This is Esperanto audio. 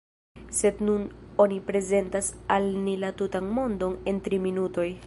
Sed nun oni prezentas al ni la tutan mondon en tri minutoj.